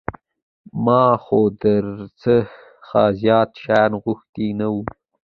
ما خو در څخه زيات شيان غوښتي نه وو.